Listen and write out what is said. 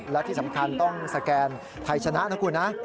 และที่สำคัญต้องสแกนไทยชนะนะคุณนะ